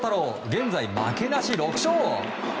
現在、負けなし６勝。